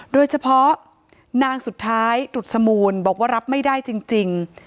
โดยเฉพาะนางสุดท้ายตรุษมูลบอกว่ารับไม่ได้จริง